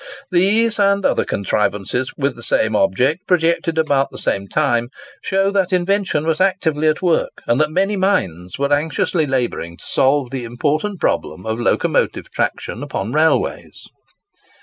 These, and other contrivances with the same object, projected about the same time, show that invention was actively at work, and that many minds were anxiously labouring to solve the important problem of locomotive traction upon railways.